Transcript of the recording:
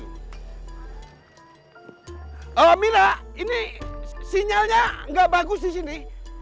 eee mina ini sinyalnya gak bagus disini